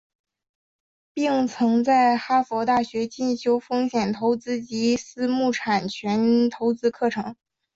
并曾在哈佛大学进修风险投资及私募产权投资课程。